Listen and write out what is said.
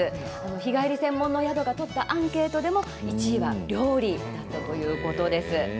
日帰り専門の宿が取ったアンケートでも１位が料理だということです。